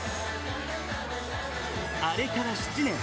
あれから７年。